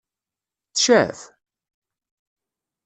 Tecɛef?